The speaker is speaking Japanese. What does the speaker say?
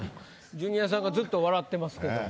ジュニアさんがずっと笑ってますけども。